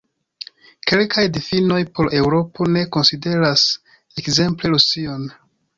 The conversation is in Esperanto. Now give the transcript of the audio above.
Kelkaj difinoj por Eŭropo ne konsideras ekzemple Rusion.